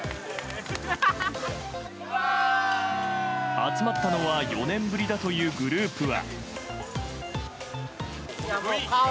集まったのは４年ぶりだというグループは。